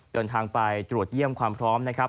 เดินทางไปตรวจเยี่ยมความพร้อมนะครับ